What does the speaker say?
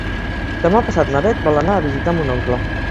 Demà passat na Bet vol anar a visitar mon oncle.